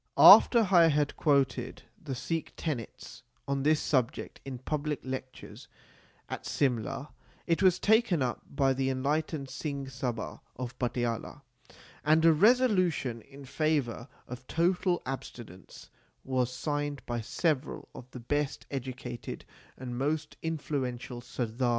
After I had quoted the Sikh tenets on this subject in public lectures at Simla, it was taken up by the enlightened Singh Sabha of Patiala; and a resolution in favour of total abstinence was signed by several of the best educated and most influential Sardars of the State.